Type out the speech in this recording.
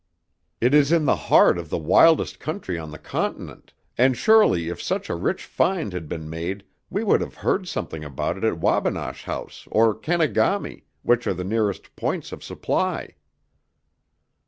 It is in the heart of the wildest country on the continent, and surely if such a rich find had been made we would have heard something about it at Wabinosh House or Kenegami, which are the nearest points of supply."